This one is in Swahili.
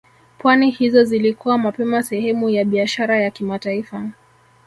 Pwani hizo zilikuwa mapema sehemu ya biashara ya kimataifa